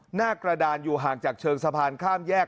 หน้ากระดานอยู่ห่างจากเชิงสะพานข้ามแยก